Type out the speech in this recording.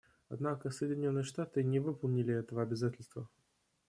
Однако Соединенные Штаты не выполнили этого обязательства.